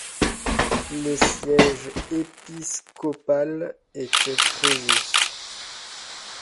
Le siège épiscopal était Fréjus.